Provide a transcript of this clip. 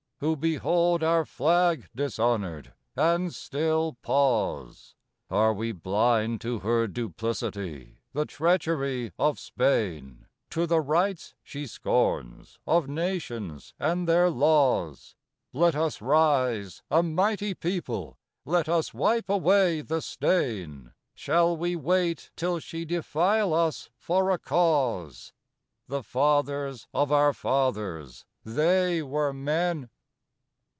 Who behold our flag dishonored, and still pause! Are we blind to her duplicity, the treachery of Spain? To the rights, she scorns, of nations and their laws? Let us rise, a mighty people, let us wipe away the stain! Shall we wait till she defile us for a cause? The fathers of our fathers, they were men!